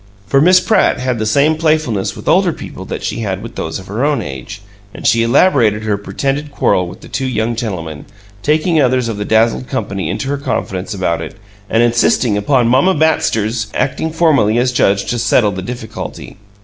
For Miss Pratt had the same playfulness with older people that she had with those of her own age; and she elaborated her pretended quarrel with the two young gentlemen, taking others of the dazzled company into her confidence about it, and insisting upon "Mamma Batster's" acting formally as judge to settle the difficulty.